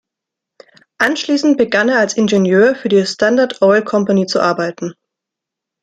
Anschließend begann er als Ingenieur für die Standard Oil Company zu arbeiten.